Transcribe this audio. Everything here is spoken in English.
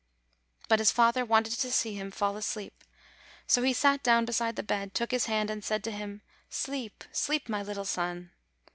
But his father wanted to see him fall asleep: so he sat down beside the bed, took his hand, and said to him, "Sleep, sleep, my little son!"